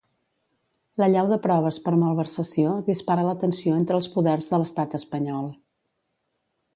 L'allau de proves per malversació dispara la tensió entre els poders de l'estat espanyol.